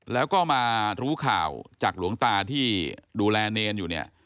แล้วก็มารู้ข่าวจากหลวงตาที่ดูแลเนรอยู่เนี่ย